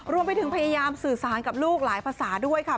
รวมไปถึงพยายามสื่อสารกับลูกหลายภาษาด้วยค่ะ